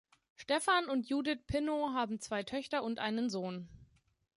Stefan und Judith Pinnow haben zwei Töchter und einen Sohn.